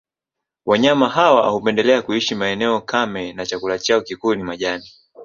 Wanyama hawa hupendelea kuishi maeneo kame na chakula chao kikuu ni majani